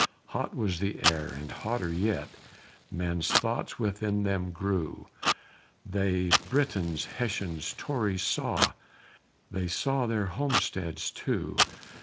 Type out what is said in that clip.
Hot was the air and hotter yet Men's thoughts within them grew: They Britons, Hessians, Tories saw They saw their homesteads too.